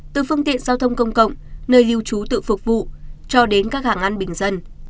từ phương tiện giao thông công cộng nơi lưu trú tự phục vụ cho đến các hàng ăn bình dân